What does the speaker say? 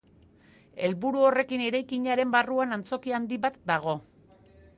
Helburu horrekin eraikinaren barruan antzoki handi bat dago.